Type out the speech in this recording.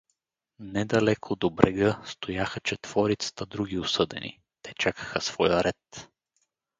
Недалеко, до брега, стояха четворицата други осъдени: те чакаха своя ред.